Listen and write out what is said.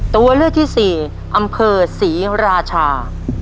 ตัวเลือกที่สี่อำเภอศรีราชา